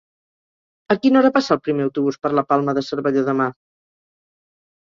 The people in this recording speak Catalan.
A quina hora passa el primer autobús per la Palma de Cervelló demà?